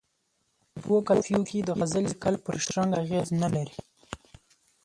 په دوو قافیو کې د غزل لیکل پر شرنګ اغېز نه لري.